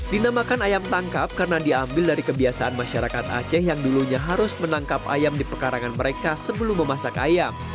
dinamakan ayam tangkap karena diambil dari kebiasaan masyarakat aceh yang dulunya harus menangkap ayam di pekarangan mereka sebelum memasak ayam